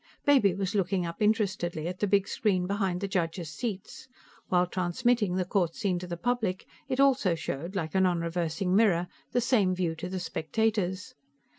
Baby was looking up interestedly at the big screen behind the judges' seats; while transmitting the court scene to the public, it also showed, like a nonreversing mirror, the same view to the spectators.